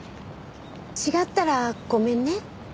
違ったらごめんね。